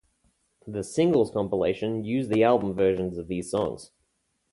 The "Singles" compilation used the album versions of these songs.